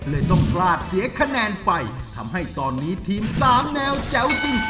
เลยต้องพลาดเสียคะแนนไปทำให้ตอนนี้ทีมสามแนวแจ๋วจริง